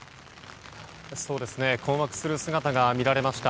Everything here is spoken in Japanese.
困惑する姿が見られました。